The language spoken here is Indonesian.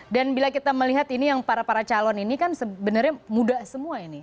dan bila kita melihat para calon ini sebenarnya muda semua ini